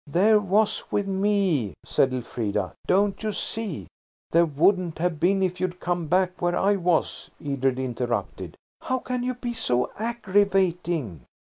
"There was with me," said Elfrida. "Don't you see–" "There wouldn't have been if you'd come back where I was," Edred interrupted. "How can you be so aggravating?"